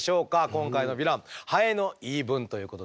今回のヴィランハエの言い分ということで。